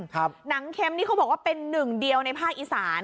หนังเค็มนี่เขาบอกว่าเป็นหนึ่งเดียวในภาคอีสาน